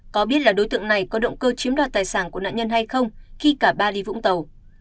có biết là đối tượng này có động cơ chiếm đoạt tài sản của nạn nhân hay không khi cả ba đi vũng tàu